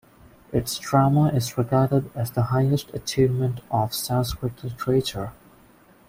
Its drama is regarded as the highest achievement of Sanskrit literature.